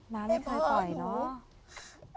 น้าไม่เคยปล่อยเนาะ